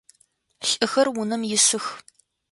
Лӏыхэр унэм исых.